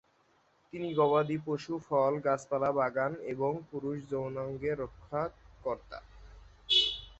তিনি গবাদিপশু, ফল, গাছপালা, বাগান এবং পুরুষ যৌনাঙ্গের রক্ষাকর্তা।